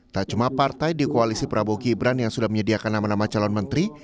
tak cuma partai di koalisi prabowo gibran yang sudah menyediakan nama nama calon menteri